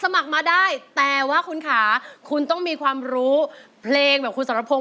อ๋อมีล้านอยู่แล้วเลิก